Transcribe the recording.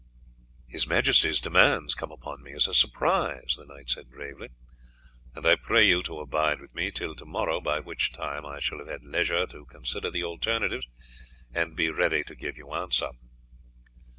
"His Majesty's demands come upon me as a surprise," the knight said gravely, "and I pray you to abide with me till to morrow, by which time I shall have had leisure to consider the alternative and be ready to give you answer."